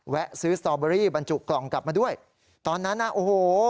แวะซื้อสตอเบอรี่บรรจุกล่องกลับมาด้วยตอนนั้นน่ะโอ้โห